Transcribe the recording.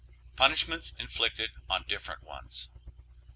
PUNISHMENTS INFLICTED ON DIFFERENT ONES.